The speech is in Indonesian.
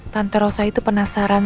tante rosa itu penasaran